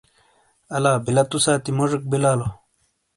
الا بیلا تو ساتی موجیک بیلالو۔